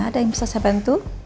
ada yang bisa saya bantu